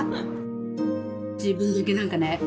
自分だけなんかね